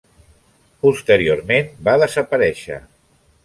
Posteriorment va desaparèixer.